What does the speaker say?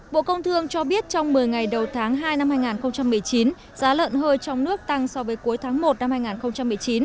bộ công thương cho biết trong một mươi ngày đầu tháng hai năm hai nghìn một mươi chín giá lợn hơi trong nước tăng so với cuối tháng một năm hai nghìn một mươi chín